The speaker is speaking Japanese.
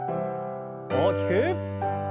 大きく。